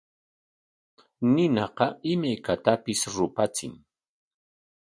Ninaqam imaykatapis rupachin.